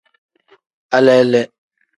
Alele.